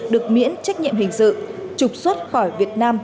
được miễn trách nhiệm hình sự trục xuất khỏi việt nam